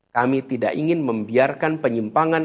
kami tidak ingin membiarkan penyimpangan